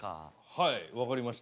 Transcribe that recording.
はい分かりました。